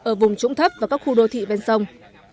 ở vùng trũng thấp và các khu đô thị ven sông